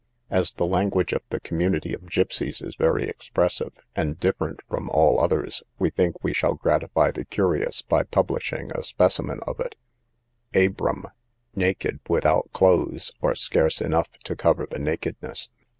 As the Language of the Community of Gipseys is very expressive, and different from all others, we think we shall gratify the curious by publishing a specimen of it. ABRAM, naked, without clothes, or scarce enough to cover the nakedness.